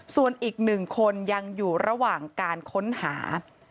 ส่วนอีก๑คนยังอยู่ระหว่างการค้นหา